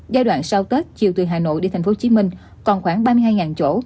giai đoạn sau tết chiều từ hà nội đi tp hcm còn khoảng ba mươi hai chỗ